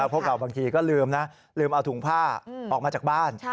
พวกเราบางทีก็ลืมนะลืมเอาถุงผ้าออกมาจากบ้าน